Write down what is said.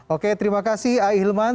oke terima kasih a'ilman